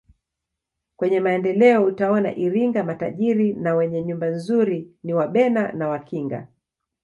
Kwenye Maendeleo utaona Iringa matajiri na wenye nyumba nzuri ni wabena na wakinga